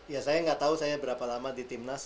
ya saya gak tau saya berapa lama di tim nama